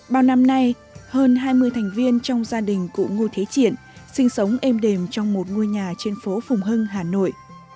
bao năm nay hơn hai mươi thành viên trong gia đình cụ ngô thế triển sinh sống êm đềm trong một ngôi nhà trên phố phùng hưng hà nội